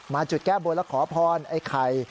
จุดแก้บนและขอพรไอ้ไข่